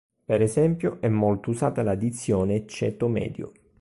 Per esempio è molto usata la dizione ceto medio.